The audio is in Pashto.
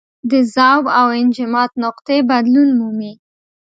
د ذوب او انجماد نقطې بدلون مومي.